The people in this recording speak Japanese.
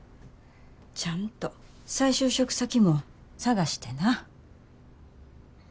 ちゃんと再就職先も探してな。